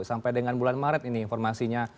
sampai dengan bulan maret ini informasinya